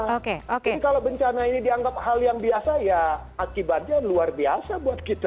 jadi kalau bencana ini dianggap hal yang biasa ya akibatnya luar biasa buat kita